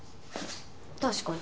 確かに。